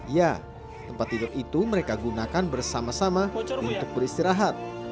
ya tempat tidur itu mereka gunakan bersama sama untuk beristirahat